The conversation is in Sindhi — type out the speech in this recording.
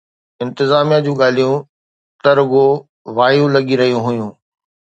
انتظاميا جون ڳالهيون ته رڳو وايون لڳي رهيون هيون